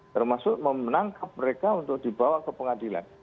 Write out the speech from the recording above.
termasuk menangkap mereka untuk dibawa ke pengadilan